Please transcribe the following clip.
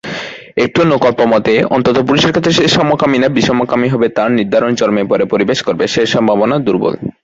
একটি অনুকল্প মতে, অন্তত পুরুষের ক্ষেত্রে সে সমকামী না বিষমকামী হবে তা নির্ধারণ জন্মের পরে পরিবেশ করবে; সে সম্ভাবনা দুর্বল।